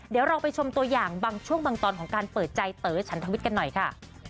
เดี๋ยวเราไปชมตัวอย่างบางช่วงบางตอนของการเปิดใจเต๋อฉันทวิทย์กันหน่อยค่ะ